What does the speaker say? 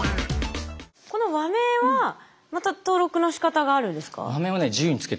この和名はまた登録のしかたがあるんですか？